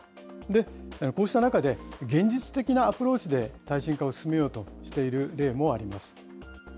こうした中で、現実的なアプローチで耐震化を進めようとしている例もあります。